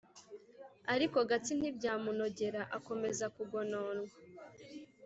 Ariko Gatsi ntibyamunogera, akomeza kugononwa